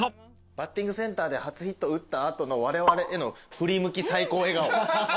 バッティングセンターで初ヒット打った後のわれわれへの振り向き最高笑顔。